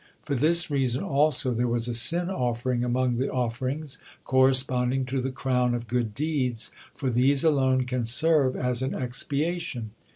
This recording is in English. For this reason also there was a sin offering among the offerings, corresponding to the crown of good deeds, for these alone can serve as an expiation.